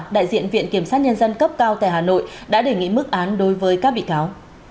đại diện viện kiểm sát nhân dân cấp cao tại hà nội đã đề nghị mức án đối với các bị cáo